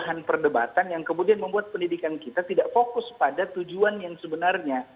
jadi bahan perdebatan yang kemudian membuat pendidikan kita tidak fokus pada tujuan yang sebenarnya